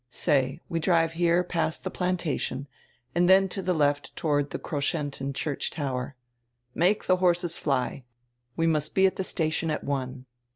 Say, we drive here past the 'Plantation,' and then to the left toward the Kroschentin church tower. Make the horses fly. We must be at the station at one."